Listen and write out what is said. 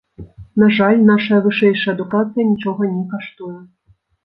На жаль, нашая вышэйшая адукацыя нічога не каштуе.